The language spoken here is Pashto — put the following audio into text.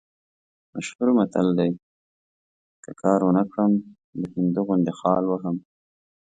مشهور متل دی: که کار ونه کړم، د هندو غوندې خال وهم.